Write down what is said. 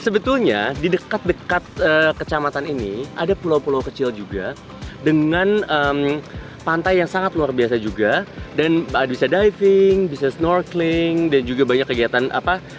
betul jadi emang itu salah satu yang kesan pertama saya mengenai ketika saya datang ke tmp